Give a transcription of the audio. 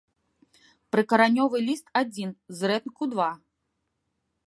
Прыкаранёвы ліст адзін, зрэдку два.